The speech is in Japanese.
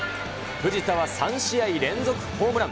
藤田は３試合連続ホームラン。